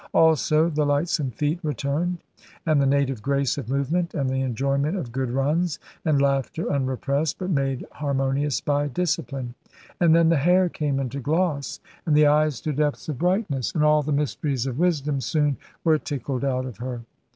Also the lightsome feet returned, and the native grace of movement, and the enjoyment of good runs, and laughter unrepressed but made harmonious by discipline. And then the hair came into gloss, and the eyes to depths of brightness, and all the mysteries of wisdom soon were tickled out of her.